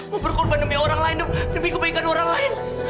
mau berkorban demi orang lain dong demi kebaikan orang lain